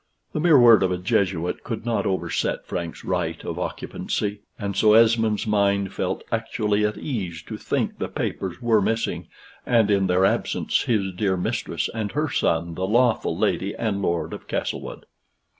The mere word of a Jesuit could not overset Frank's right of occupancy, and so Esmond's mind felt actually at ease to think the papers were missing, and in their absence his dear mistress and her son the lawful Lady and Lord of Castlewood.